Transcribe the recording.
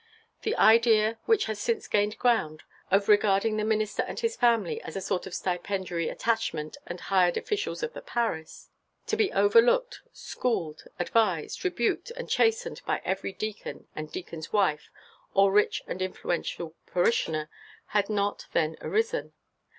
The idea which has since gained ground, of regarding the minister and his family as a sort of stipendiary attachment and hired officials of the parish, to be overlooked, schooled, advised, rebuked, and chastened by every deacon and deacon's wife or rich and influential parishioner, had not then arisen.